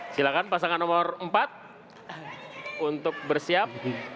silakan pasangan nomor empat untuk bersiap